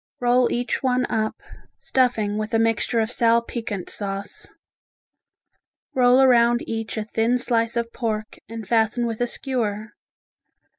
Roll each one up, stuffing with a mixture of sal piquant sauce. Roll around each a thin slice of pork and fasten with a skewer.